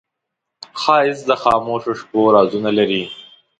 ښایست د خاموشو شپو رازونه لري